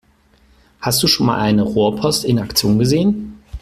Hast du schon mal eine Rohrpost in Aktion gesehen?